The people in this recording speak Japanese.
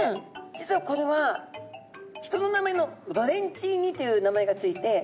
実はこれは人の名前のロレンチーニという名前が付いて。